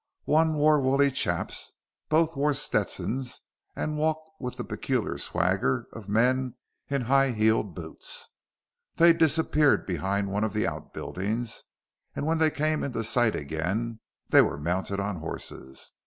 One wore woolly chaps. Both wore Stetsons and walked with the peculiar swagger of men in high heeled boots. They disappeared behind one of the outbuildings, and when they came into sight again, they were mounted on horses.